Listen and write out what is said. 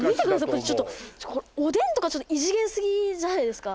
これちょっとおでんとか異次元すぎじゃないですか？